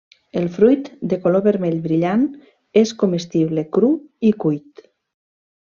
El fruit, de color vermell brillant, és comestible cru i cuit.